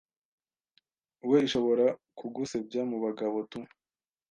we ishobora kugusebya mubagabo tu